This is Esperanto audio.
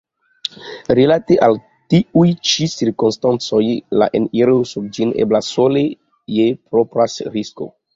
Rilate al tiuj ĉi cirkonstancoj la eniro sur ĝin eblas sole je propra risko.